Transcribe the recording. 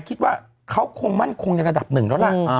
คิดว่าเขาคงมั่นคงในระดับหนึ่งแล้วล่ะ